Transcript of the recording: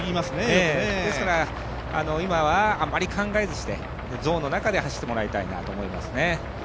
ですから、今はあまり考えずしてゾーンの中で走ってもらいたいなと思いますね。